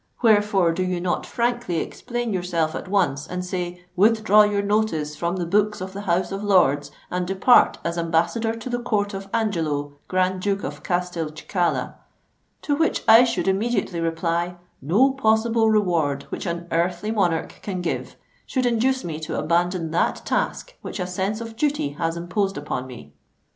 Wherefore do you not frankly explain yourself at once, and say, '_Withdraw your notice from the books of the House of Lords, and depart as Ambassador to the Court of Angelo, Grand Duke of Castelcicala_:' to which I should immediately reply, '_No possible reward which an earthly monarch can give, should induce me to abandon that task which a sense of duty has imposed upon me_.'"